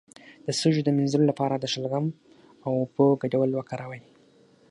د سږو د مینځلو لپاره د شلغم او اوبو ګډول وکاروئ